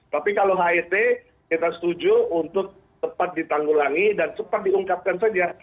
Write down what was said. tapi kalau het kita setuju untuk tepat ditanggulangi dan cepat diungkapkan saja